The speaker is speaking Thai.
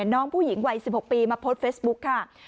น้องผู้หญิงวัย๑๖ปีมาโพสต์เฟซบุ๊คค่ะ